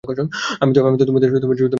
আমি তো তোমাদের যুদ্ধের নির্দেশ দেইনি।